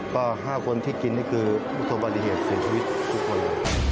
ก็๕คนที่กินนี่คือผู้สบัติเหตุเสียชีวิตทุกคนเลย